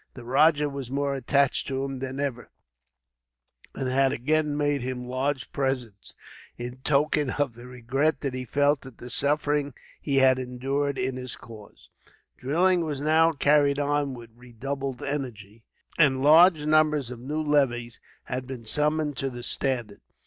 The rajah was more attached to him than ever, and had again made him large presents, in token of the regret he felt at the sufferings he had endured in his cause. Drilling was now carried on with redoubled energy, and large numbers of new levies had been summoned to the standard.